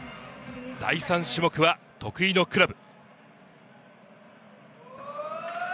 第３種目は得意のクラブ。